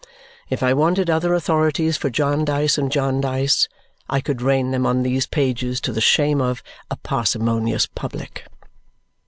If I wanted other authorities for Jarndyce and Jarndyce, I could rain them on these pages, to the shame of a parsimonious public.